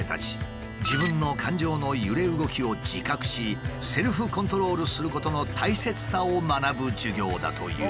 自分の感情の揺れ動きを自覚しセルフコントロールすることの大切さを学ぶ授業だという。